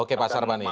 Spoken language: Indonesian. oke pak sarwani